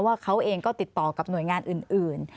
ว่าเขาเองก็ติดต่อกับหน่วยงานอื่น